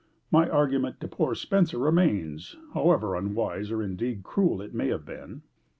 My argument to poor Spenser remains however unwise or indeed cruel it may have been."